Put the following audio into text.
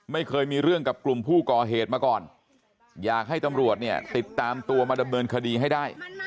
ไม่เคยมีเรื่องกับกลุ่มผู้ก่อเหตุมาก่อนอยากให้ตำรวจเนี่ยติดตามตัวมาดำเนินคดีให้ได้